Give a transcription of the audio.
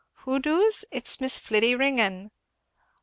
"Who doos? It's Miss Fliddy Ringgan."